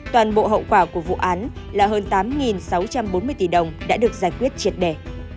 toàn bộ hậu quả của vụ án là hơn tám sáu trăm bốn mươi tỷ đồng đã được giải quyết triệt đề